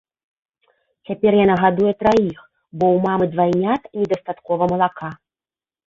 Цяпер яна гадуе траіх, бо ў мамы двайнят недастаткова малака.